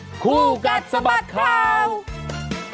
ครูกัดสมัครข่าว